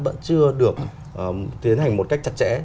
vẫn chưa được tiến hành một cách chặt chẽ